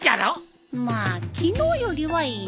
まあ昨日よりはいいね。